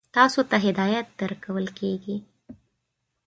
تاسو ته هدایت درکول کېږي.